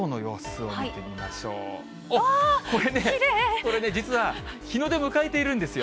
これね、実は日の出迎えているんですよ。